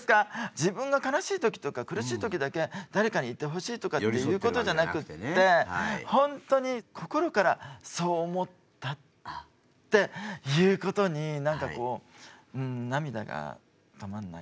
自分が悲しい時とか苦しい時だけ誰かにいてほしいとかっていうことじゃなくってほんとに心からそう思ったっていうことに何かこううん涙が止まんない。